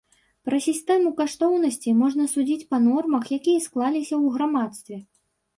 Пра сістэму каштоўнасцей можна судзіць па нормах, якія склаліся ў грамадстве.